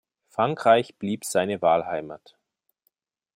Frankreich blieb seine Wahlheimat.